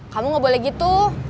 kamu gak boleh gitu